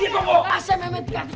masa memet kaki